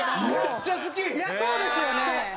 いやそうですよね。